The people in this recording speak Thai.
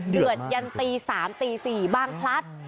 เดือดยันตี๓ตี๔บางพลัด